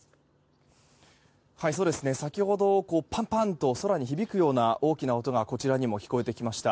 先ほど、パンパンと空に響くような大きな音がこちらにも聞こえてきました。